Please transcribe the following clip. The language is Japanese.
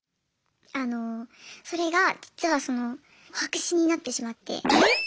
あのそれが実はその白紙になってしまって。